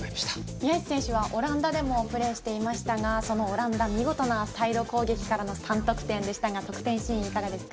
宮市選手はオランダでもプレーしていましたがそのオランダは見事なサイド攻撃からの３得点でしたが得点シーンはいかがですか？